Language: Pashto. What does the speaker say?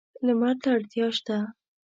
لمر ته اړتیا شته.